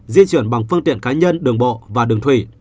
di chuyển bằng phương tiện cá nhân đường bộ và đường thủy